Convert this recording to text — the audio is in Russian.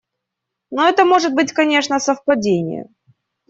Но это может быть, конечно, совпадение.